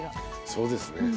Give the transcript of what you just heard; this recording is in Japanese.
そうですね。